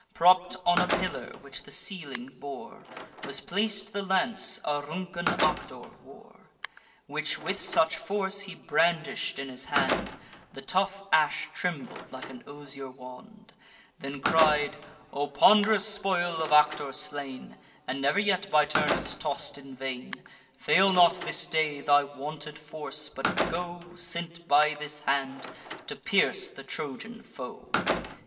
Propp'd on a pillar, which the ceiling bore, Was plac'd the lance Auruncan Actor wore; Which with such force he brandish'd in his hand, The tough ash trembled like an osier wand: Then cried: "O pond'rous spoil of Actor slain, And never yet by Turnus toss'd in vain, Fail not this day thy wonted force; but go, Sent by this hand, to pierce the Trojan foe!